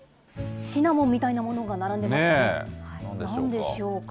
シナモンみたいななんでしょうか。